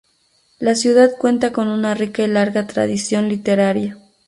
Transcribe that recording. La ciudad cuenta con una rica y larga tradición literaria.